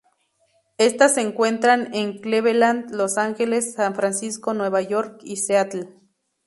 Estas se encuentran en Cleveland, Los Ángeles, San Francisco, Nueva York y Seattle.